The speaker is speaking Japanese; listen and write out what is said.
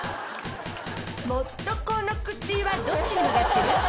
「もっとこの口はどっちに曲がってる？」